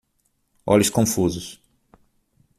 Olhos confusos